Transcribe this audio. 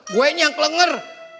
gue ini yang kelengger